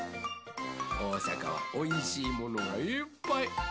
おおさかはおいしいものがいっぱい。